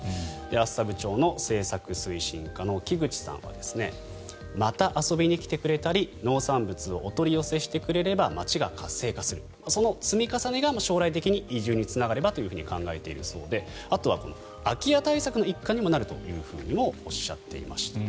厚沢部町の政策推進課の木口さんはまた遊びに来てくれたり農産物をお取り寄せしてくれれば町が活性化するその積み重ねが将来的に移住につながればと考えているそうであとは空き家対策の一環にもなるとおっしゃっていました。